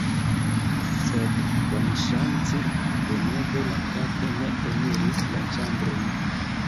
Sed, bonŝance denove la kato ne eniris la ĉambron.